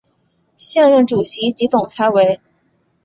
现任主席及总裁为。